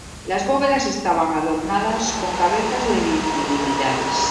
Las bóvedas estaban adornadas con cabezas de divinidades.